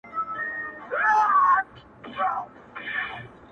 خدايږو که بيا ورځ تر قيامته روغه ورځ پيدا کړې”